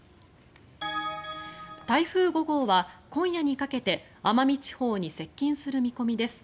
台風５号は今夜にかけて奄美地方に接近する見込みです。